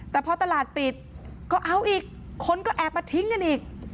แต่พอตลาดปิดก็เอาอีกคนก็แอบมาทิ้งกันอีก